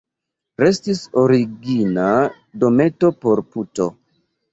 Restis origina dometo por puto.